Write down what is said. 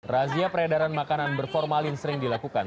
razia peredaran makanan berformalin sering dilakukan